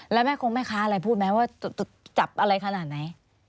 แล้วแม่คงแม่ค้าอะไรพูดไหมว่าจับอะไรขนาดไหน